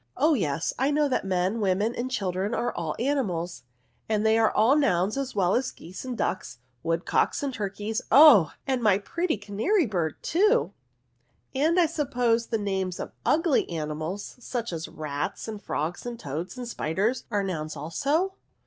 Oh yes, I know that men, women, and children are all animals; and they are nouns as well as geese and ducks, woodcocks and turkeys: oh! and my pretty canary bird too ; and I suppose the names of ugly NOUNS. 5 animals^ such as rats^ and firogs^ aad toads, and spiders, are nouns also